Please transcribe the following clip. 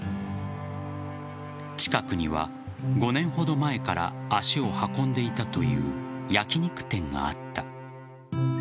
近くには５年ほど前から足を運んでいたという焼き肉店があった。